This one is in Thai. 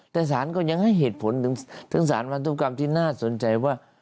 แต่สารก็ยังให้เหตุผลถึงสารพันธุกรรมที่น่าสนใจว่า